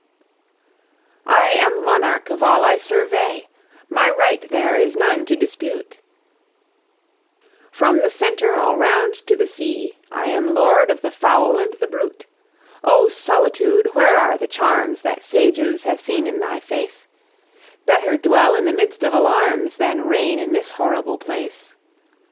I am monarch of all I survey, My right there is none to dispute, From the center all round to the sea, I am lord of the fowl and the brute. O Solitude! where are the charms That sages have seen in thy face? Better dwell in the midst of alarms Than reign in this horrible place.